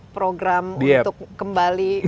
program untuk kembali